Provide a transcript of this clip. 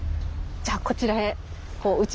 じゃあこちらへ。